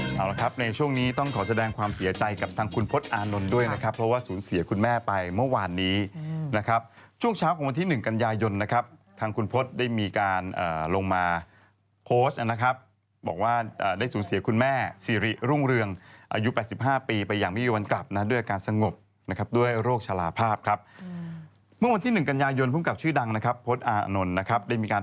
ตอนนี้ต้องขอแสดงความเสียใจกับทางคุณพลตอานนท์ด้วยนะครับเพราะว่าสูญเสียคุณแม่ไปเมื่อวานนี้นะครับช่วงเช้าของวันที่๑กันยายนนะครับทางคุณพลตได้มีการลงมาโพสต์นะครับบอกว่าได้สูญเสียคุณแม่ซีริรุ่งเรืองอายุ๘๕ปีไปอย่างไม่มีวันกลับนะด้วยการสงบนะครับด้วยโรคชาลาภาพครับเมื่อวันที่๑กัน